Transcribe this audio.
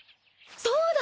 そうだ！